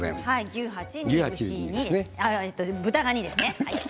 牛８豚が２です。